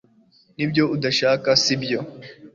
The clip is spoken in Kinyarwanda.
nibyo dushaka, sibyo